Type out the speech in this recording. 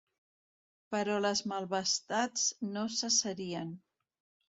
Però les malvestats no cessarien.